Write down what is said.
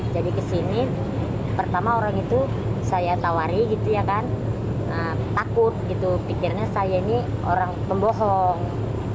jadi kesini pertama orang itu saya tawari gitu ya kan takut gitu pikirnya saya ini orang pembohong